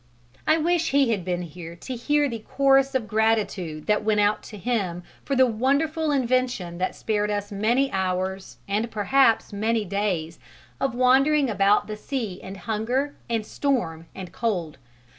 I wish that he had been there to hear the chorus of gratitude that went out to him for the wonderful invention that spared us many hours, and perhaps many days, of wandering about the sea in hunger and storm and cold.